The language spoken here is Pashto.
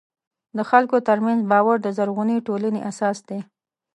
د خلکو ترمنځ باور د زرغونې ټولنې اساس دی.